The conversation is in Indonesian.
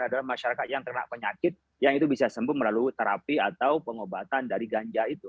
adalah masyarakat yang kena penyakit yang itu bisa sembuh melalui terapi atau pengobatan dari ganja itu